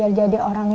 terutama di nenek new